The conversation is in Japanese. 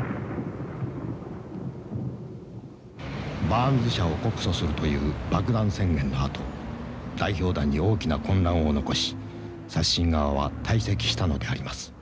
「バーンズ社を告訴するという爆弾宣言のあと代表団に大きな混乱を残しサッシン側は退席したのであります」。